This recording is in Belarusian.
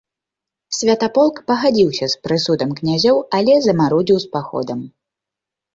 Святаполк пагадзіўся з прысудам князёў, але замарудзіў з паходам.